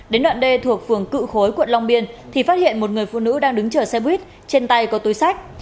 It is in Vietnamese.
đến đoạn đê thuộc phường cự khối quận long biên thì phát hiện một người phụ nữ đang đứng chở xe buýt trên tay có túi sách